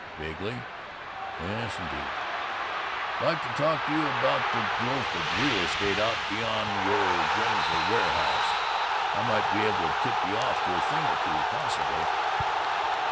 Vaguely, "Yes, indeed " "Like to talk to you about the growth of real estate out beyond your Grantsville warehouse. I might be able to tip you off to a thing or two, possibly."